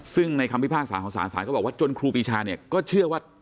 ซึ่งในคำพิพากษาของศาลศาลก็บอกว่าจนครูปีชาเนี่ยก็เชื่อว่า